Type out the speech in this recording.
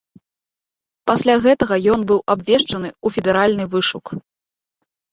Пасля гэтага ён быў абвешчаны ў федэральны вышук.